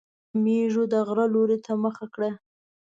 مېزو د غره لوري ته مخه وکړه.